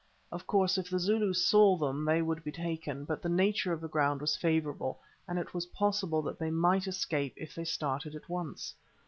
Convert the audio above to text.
Of course, if the Zulus saw them they would be taken, but the nature of the ground was favourable, and it was possible that they might escape if they started at once.